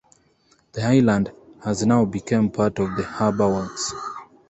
The island has now become part of harbour works.